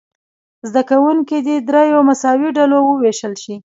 زده کوونکي دې دریو مساوي ډلو وویشل شي.